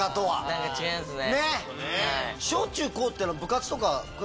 何か違いますね。